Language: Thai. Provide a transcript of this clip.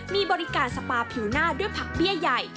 มีบริการสปาผิวหน้าด้วยผักเบี้ยใหญ่